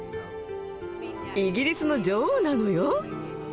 イギリスの女王なのよ？